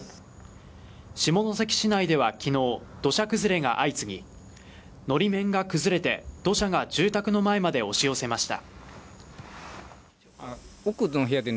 下関市内では、昨日、土砂崩れが相次ぎのり面が崩れて、土砂が住宅の前まで押し寄せました。